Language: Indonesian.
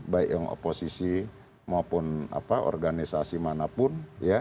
baik yang oposisi maupun organisasi manapun